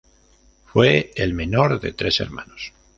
Fue el menor de tres hermanos.